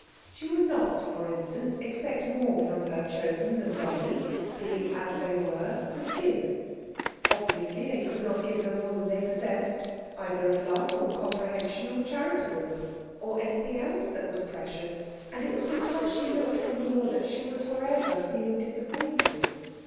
She would not, for instance, expect more from her Chosen than they, being as they were, could give. Obviously they could not give her more than they possessed, either of love, or comprehension, or charitableness, or anything else that was precious; and it was because she looked for more that she was for ever feeling disappointed.